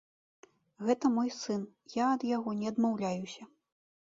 Гэта мой сын, я ад яго не адмаўляюся.